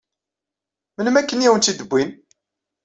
Melmi akken i awen-tt-id-wwin?